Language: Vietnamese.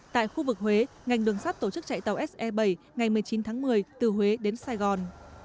tại khu vực huế ngành đường sắt tổ chức chạy tàu se bảy ngày một mươi chín tháng một mươi từ huế đến sài gòn